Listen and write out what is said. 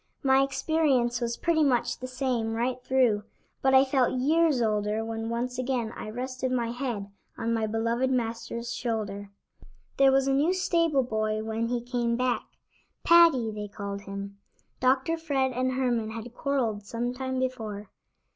My experience was pretty much the same right through, but I felt years older when once again I rested my head on my beloved Master's shoulder. There was a new stable boy when he came back; Paddy, they called him. Dr. Fred and Herman had quarreled some time before.